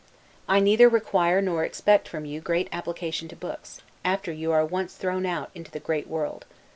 I neither require nor expect from you great application to books, after you are once thrown out into the great world.